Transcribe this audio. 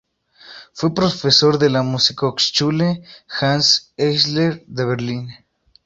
Fue profesor de la Musikhochschule Hanns Eisler de Berlín.